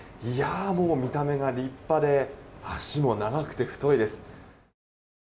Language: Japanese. もう見た目が立派で脚も長くて太いです。